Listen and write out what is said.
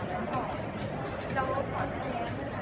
มันเป็นสิ่งที่จะให้ทุกคนรู้สึกว่า